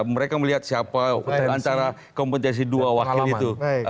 mereka melihat siapa antara kompetensi dua wakil itu